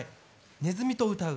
ねずみと歌う。